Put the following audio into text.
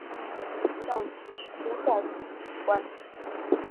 降级徐州帅府经历官。